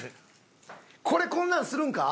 これこんなんするんか？